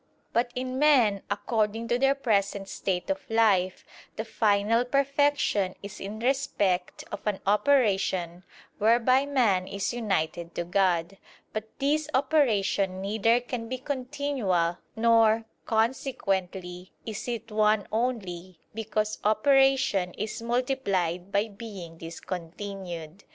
But in men, according to their present state of life, the final perfection is in respect of an operation whereby man is united to God: but this operation neither can be continual, nor, consequently, is it one only, because operation is multiplied by being discontinued.